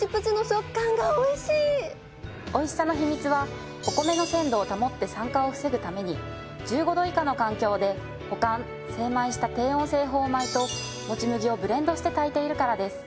おいしさの秘密はお米の鮮度を保って酸化を防ぐために１５度以下の環境で保管精米した低温製法米ともち麦をブレンドして炊いているからです。